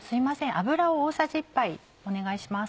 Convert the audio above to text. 油を大さじ１杯お願いします。